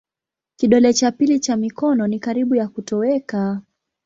Kidole cha pili cha mikono ni karibu ya kutoweka.